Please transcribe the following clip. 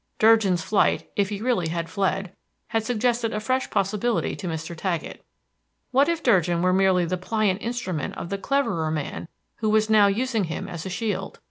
Durgin's flight, if he really had fled, had suggested a fresh possibility to Mr. Taggett. What if Durgin were merely the pliant instrument of the cleverer man who was now using him as a shield?